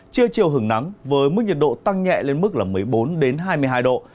chưa chiều hưởng nắng với mức nhiệt độ tăng nhẹ lên mức một mươi bốn hai mươi hai độ